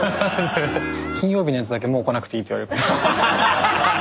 金曜日のやつだけもう来なくていいって言われる。